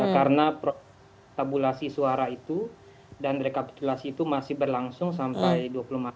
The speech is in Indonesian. karena tabulasi suara itu dan rekapitulasi itu masih berlangsung sampai dua puluh maret